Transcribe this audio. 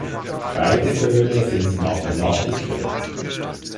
Beide Söhne sind Mathematiker.